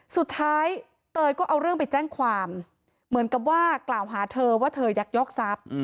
เตยก็เอาเรื่องไปแจ้งความเหมือนกับว่ากล่าวหาเธอว่าเธอยักยอกทรัพย์